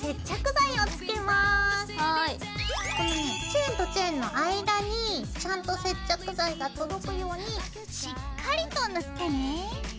チェーンとチェーンの間にちゃんと接着剤が届くようにしっかりと塗ってね。